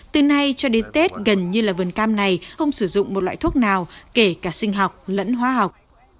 từ nay cho đến tết gần như là vườn cam này không sử dụng một loại thuốc nào kể cả sinh học lẫn hóa học